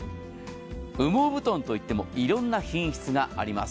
羽毛布団といっても、いろいろな品質があります。